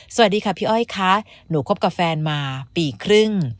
สวัสดีค่ะพี่อ้อยค่ะหนูคบกับแฟนมาปีครึ่ง